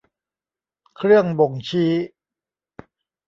เครื่องบ่งชี้